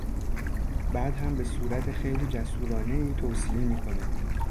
بعد هم به صورت خیلی جسورانهای توصیه میکنه